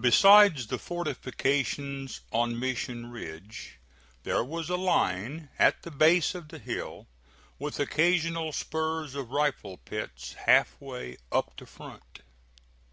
Besides the fortifications on Mission Ridge, there was a line at the base of the hill, with occasional spurs of rifle pits half way up the front.